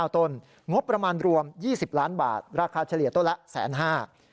ต้นงบประมาณรวม๒๐ล้านบาทราคาเฉลี่ยต้นละ๑๕๐๐บาท